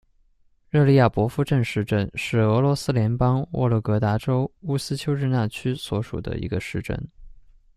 热利亚博夫镇市镇是俄罗斯联邦沃洛格达州乌斯秋日纳区所属的一个市镇。